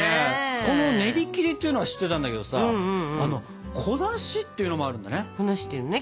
このねりきりっていうのは知ってたんだけどさ「こなし」っていうのもあるんだね。